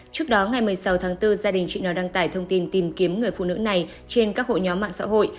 trước đó ngày một mươi sáu tháng bốn gia đình chị nói đăng tải thông tin tìm kiếm người phụ nữ này trên các hội nhóm mạng xã hội